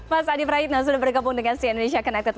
mas adi peraidna sudah berkabung dengan cien indonesia connected